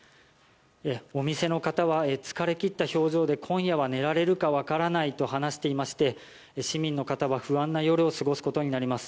お店の方は疲れ切った表情で今夜は寝られるか分からないと話していまして市民の方は不安な夜を過ごすことになります。